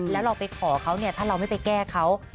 แล้วเราไปขอเขาเนี่ยถ้าเราไม่ไปแก้เขา